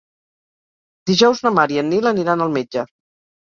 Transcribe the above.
Dijous na Mar i en Nil aniran al metge.